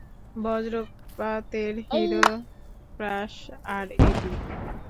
বজ্রপাতের hero crash আর এডি।